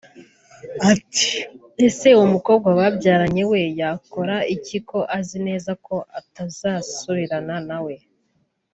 Ati ese uwo mukobwa babyaranye we yakora iki ko azi neza ko atazasubirana na we